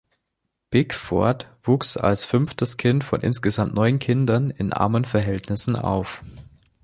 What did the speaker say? Bickford wuchs als fünftes Kind von insgesamt neun Kindern in armen Verhältnissen auf.